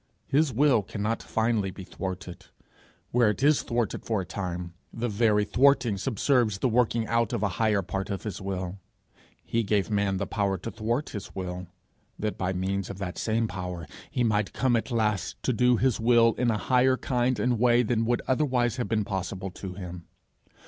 His will cannot finally be thwarted; where it is thwarted for a time, the very thwarting subserves the working out of a higher part of his will. He gave man the power to thwart his will, that, by means of that same power, he might come at last to do his will in a higher kind and way than would otherwise have been possible to him.